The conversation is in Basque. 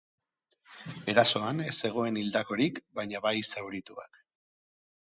Erasoan ez zegoen hildakorik baina bai zaurituak.